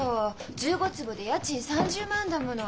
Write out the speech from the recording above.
１５坪で家賃３０万だもの。